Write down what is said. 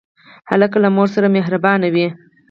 هلک له مور سره مهربان وي.